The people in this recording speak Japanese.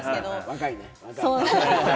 若いね。